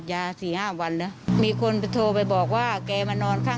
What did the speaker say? แกก็จำอะไรไม่ได้เลยวิ่งมาเตะ